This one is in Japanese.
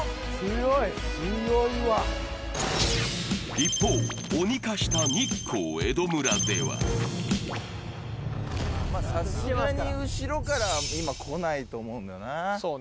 一方、鬼化した日光江戸村ではさすがに後ろからは今、来ないと思うんだよな。